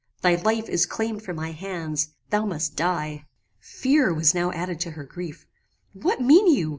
Thy life is claimed from my hands: thou must die!" "Fear was now added to her grief. 'What mean you?